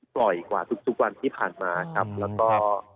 กว่าทุกวันที่ผ่านมาครับแล้วก็